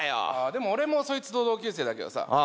でも俺もそいつと同級生だけどさあ